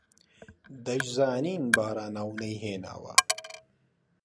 دەشزانین باراناو نەیهێناوە